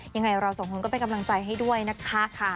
ยังไงเราสองคนก็เป็นกำลังใจให้ด้วยนะคะ